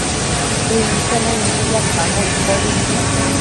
Uinte naimëdtiadpambo iccobi